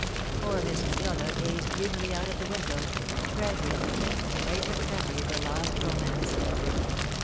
Poor Miss Matilda gazed dreamily out of the window, treasuring the faint, fragrant memory of her lost romance.